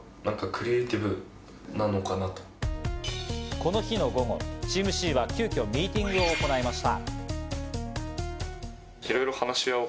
この日の午後、チームＣは急きょミーティングを行いました。